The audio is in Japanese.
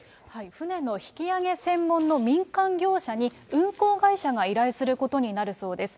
船の引き揚げ専門の民間業者に、運航会社が依頼することになるそうです。